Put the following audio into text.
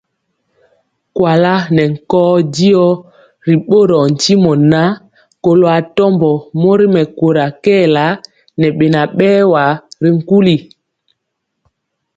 Kuala nɛ nkɔɔ diɔ ri ɓorɔɔ ntimɔ ŋan, kɔlo atɔmbɔ mori mɛkóra kɛɛla ŋɛ beŋa berwa ri nkuli.